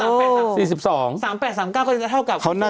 ๓๘๓๙ก็จะเท่ากับ